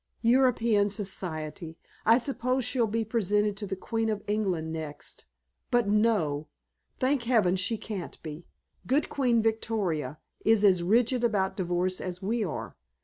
"European Society! I suppose she'll be presented to the Queen of England next! But no! Thank heaven she can't be. Good Queen Victoria is as rigid about divorce as we are.